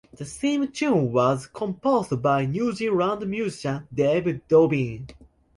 The theme tune was composed by New Zealand musician Dave Dobbyn.